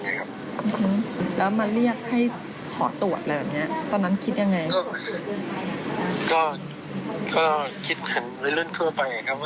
ก็คิดถึงรุ่นทั่วไปครับว่าสงสัยจะหายาเสพติดหรืออะไรอย่างนี้ครับ